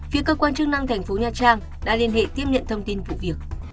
phía cơ quan chức năng thành phố nha trang đã liên hệ tiếp nhận thông tin vụ việc